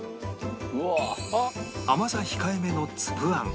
甘さ控えめのつぶあん